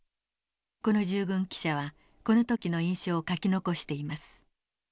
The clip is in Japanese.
この従軍記者はこの時の印象を書き残しています。